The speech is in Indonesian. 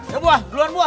ya buah duluan buah